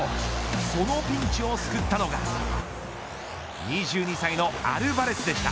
そのピンチを救ったのが２２歳のアルヴァレスでした。